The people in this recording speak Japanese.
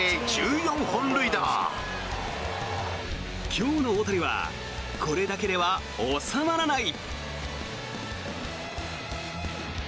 今日の大谷はこれだけでは収まらない。